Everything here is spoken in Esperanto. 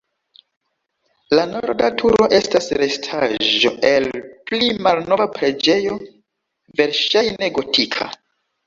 La norda turo estas restaĵo el pli malnova preĝejo, verŝajne gotika.